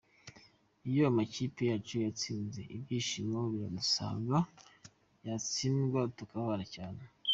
Iyo amakipe yacu yatsinze ibyishimo biradusaga, yatsindwa tukababara cyane.